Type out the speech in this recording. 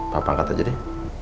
papa angkat aja deh